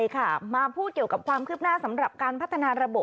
ชื่อพระก้าวไกร่ครับ